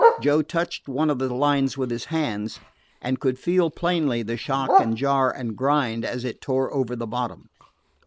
Joe touched one of the lines with his hands, and could feel plainly the shock and jar and grind as it tore over the bottom.